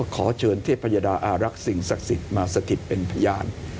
ขอเชิญเทพยดาอารักษ์สิ่งศักดิ์สิทธิ์มาสถิตเป็นพยาน